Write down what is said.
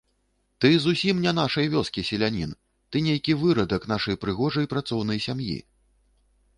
Ты зусiм не нашай вёскi селянiн, ты нейкi вырадак нашай прыгожай працоўнай сям'i...